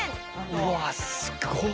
うわすごっ。